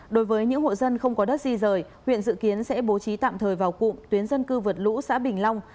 đối với những hộ dân không có đất di rời huyện dự kiến sẽ bố trí tạm thời vào cụm tuyến dân cư vượt lũ xã bình long